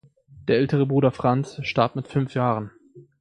Der ältere Bruder Franz starb mit fünf Jahren.